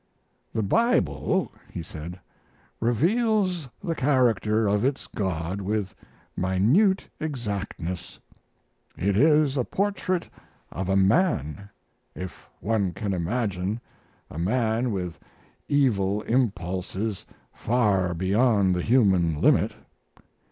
"The Bible," he said, "reveals the character of its God with minute exactness. It is a portrait of a man, if one can imagine a man with evil impulses far beyond the human limit.